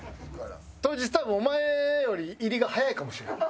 当日多分お前より入りが早いかもしれん。